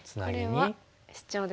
これはシチョウですね。